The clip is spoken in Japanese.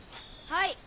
はい。